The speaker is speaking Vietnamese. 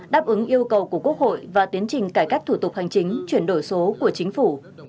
đáp ứng yêu cầu của quốc hội và tiến trình cải cách thủ tục hành chính chuyển đổi số của chính phủ